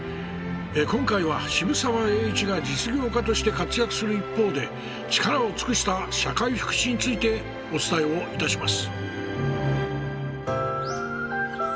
今回は渋沢栄一が実業家として活躍する一方で力を尽くした社会福祉についてお伝えをいたします。